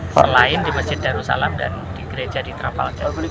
selain di masjid darussalam dan di gereja di trapal